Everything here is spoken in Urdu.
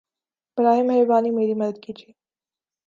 براہِ مہربانی میری مدد کیجیے